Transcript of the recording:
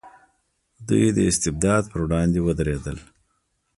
دوی د استبداد پر وړاندې ودرېدل.